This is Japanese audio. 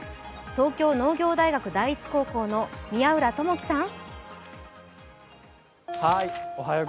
東京農業大学第一高校の宮浦智樹さん。